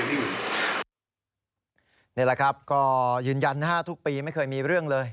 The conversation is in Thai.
นี่แหละครับก็ยืนยันนะฮะทุกปีไม่เคยมีเรื่องเลย